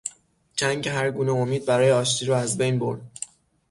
جنگ هرگونه امید برای آشتی را از بین برد.